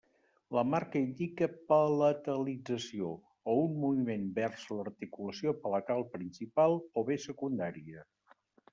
La marca indica palatalització, o un moviment vers l'articulació palatal principal o bé secundària.